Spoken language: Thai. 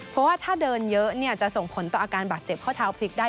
เพราะว่าถ้าเดินเยอะจะส่งผลต่ออาการบาดเจ็บข้อเท้าพลิกได้